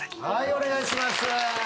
お願いします。